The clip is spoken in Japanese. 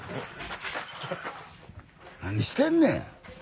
何してんねや！